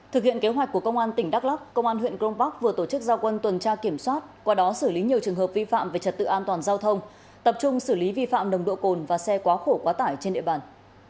thực hiện kế hoạch của công an tỉnh đắk lắk công an huyện grong park vừa tổ chức giao quân tuần tra kiểm soát qua đó xử lý nhiều trường hợp vi phạm về trật tự an toàn giao thông tập trung xử lý vi phạm nồng độ cồn và xe quá khổ quá tải trên địa bàn